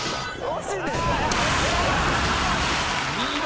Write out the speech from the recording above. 惜しい。